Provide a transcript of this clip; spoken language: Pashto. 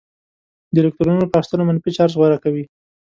د الکترونونو په اخیستلو منفي چارج غوره کوي.